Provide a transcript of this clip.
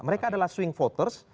mereka adalah swing voters